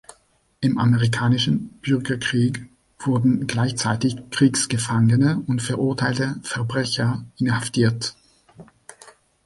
Im Amerikanischen Bürgerkrieg wurden gleichzeitig Kriegsgefangene und verurteilte Verbrecher inhaftiert.